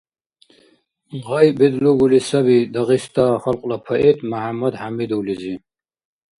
Гъай бедлугули саби Дагъиста халкьла поэт Мяхӏяммад Хӏямидовлизи.